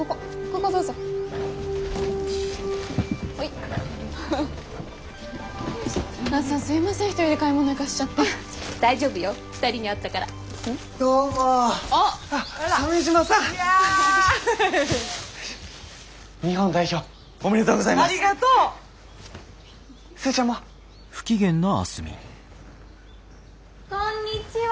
こんにちは！